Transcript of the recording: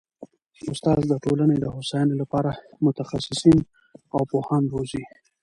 استاد د ټولني د هوسايني لپاره متخصصین او پوهان روزي.